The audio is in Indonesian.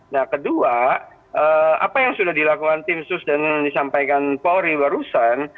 nah kedua apa yang sudah dilakukan tim sus dan disampaikan polri barusan